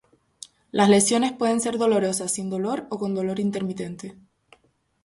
Las lesiones pueden ser dolorosas, sin dolor o con dolor intermitente.